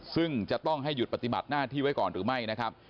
ซึ่งจะต้องให้หยุดปฏิบัติหน้าที่ไว้ก่อนหรือไม่นะครับ